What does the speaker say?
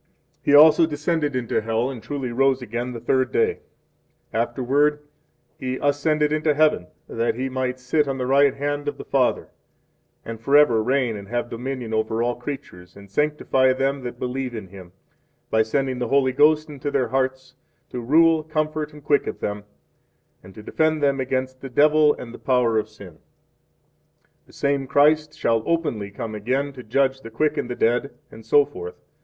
4 He also descended into hell, and truly rose again the third day; afterward He ascended into heaven that He might sit on the right hand of the Father, and forever reign and have dominion over all creatures, and sanctify 5 them that believe in Him, by sending the Holy Ghost into their hearts, to rule, comfort, and quicken them, and to defend them against the devil and the power of sin. 6 The same Christ shall openly come again to judge the quick and the dead, etc.